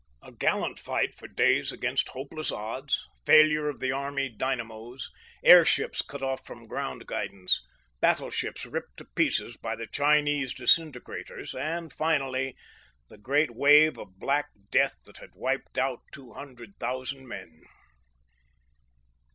A gallant fight for days against hopeless odds; failure of the army dynamos; airships cut off from ground guidance; battleships ripped to pieces by the Chinese disintegrators; and, finally, the great wave of black death that had wiped out two hundred thousand men.